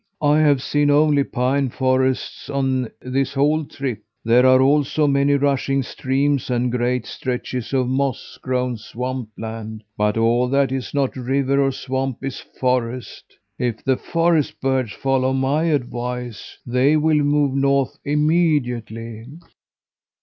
'I have seen only pine forests on this whole trip. There are also many rushing streams and great stretches of moss grown swamp land; but all that is not river or swamp is forest. If the forest birds follow my advice, they will move north immediately.'